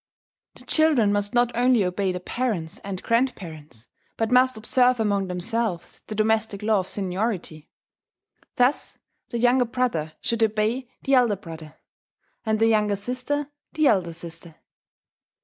The children must not only obey the parents and grandparents, but must observe among themselves the domestic law of seniority: thus the younger brother should obey the elder brother, and the younger sister the elder sister.